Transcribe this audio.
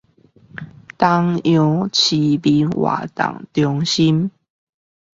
東陽市民活動中心